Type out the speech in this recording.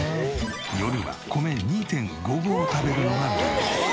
夜は米２．５合を食べるのがルール。